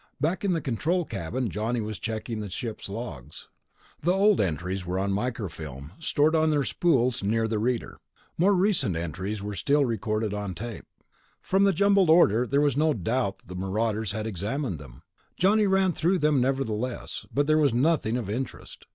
Back in the control cabin Johnny was checking the ship's log. The old entries were on microfilm, stored on their spools near the reader. More recent entries were still recorded on tape. From the jumbled order, there was no doubt that marauders had examined them. Johnny ran through them nevertheless, but there was nothing of interest.